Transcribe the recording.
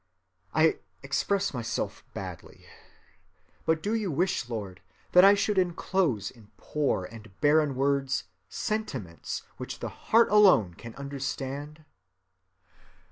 I express myself badly. But do you wish, Lord, that I should inclose in poor and barren words sentiments which the heart alone can understand?"